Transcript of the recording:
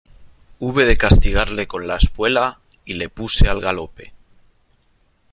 hube de castigarle con la espuela , y le puse al galope .